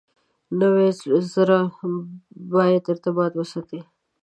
نوي زره باید ارتباطات وساتي.